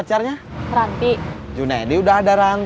terima kasih mak